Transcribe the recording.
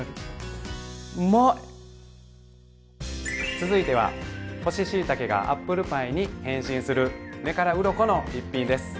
続いては干ししいたけがアップルパイに変身する目からうろこの一品です。